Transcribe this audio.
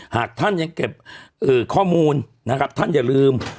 หากท่านยังเก็บข้อมูลนะครับท่านอย่าลืม